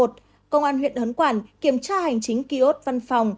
công an huyện hớn quản kiểm tra hành chính ký ốt văn phòng